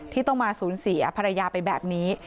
ที่ต้องมาสูญเสียภรรยาไปแบบนี้